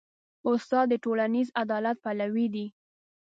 استاد د ټولنیز عدالت پلوی دی.